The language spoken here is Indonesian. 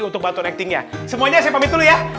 untuk batu actingnya semuanya saya pamit dulu ya